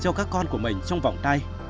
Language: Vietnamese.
cho nó cho các con của mình trong vòng tay